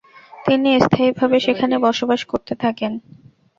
তিনি স্থায়ীভাবে সেখানে বসবাস করতে থাকেন।